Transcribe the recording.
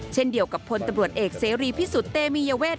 เช่นเดียวกับพลตำรวจเอกเสรีพิสุทธิ์เตมียเวท